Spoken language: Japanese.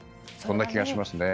そんな気がします。